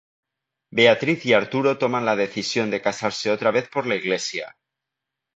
Beatriz y Arturo toman la decisión de casarse otra vez por la iglesia.